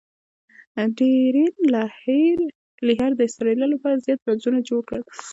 ډیرن لیهر د اسټرالیا له پاره زیات رنزونه جوړ کړل.